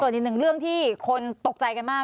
ส่วนอีกหนึ่งเรื่องที่คนตกใจกันมาก